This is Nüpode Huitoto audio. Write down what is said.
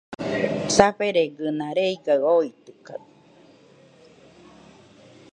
Saferegɨna reigaɨ oitɨkaɨ